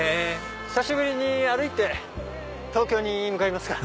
久しぶりに歩いて東京に向かいますか！